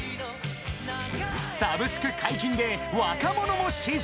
［サブスク解禁で若者も支持］